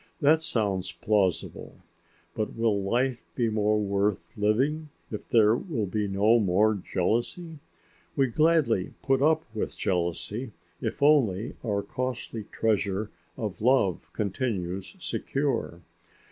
That sounds plausible. But will life be more worth living when there will be no more jealousy? We gladly put up with jealousy if only our costly treasure of love continues secure.